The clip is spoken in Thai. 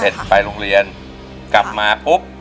ไปโรงเรียนกลับมาปุ๊บ